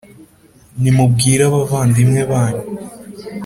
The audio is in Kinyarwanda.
Nimubwire abavandimwe banyu